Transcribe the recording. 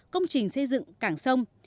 công trình xây dựng cảng sông